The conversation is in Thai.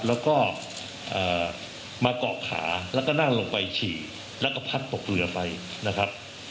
แล้วก็มาเกาะขาแล้วก็นั่งลงไปฉี่แล้วก็พัดตกเรือไปนะครับ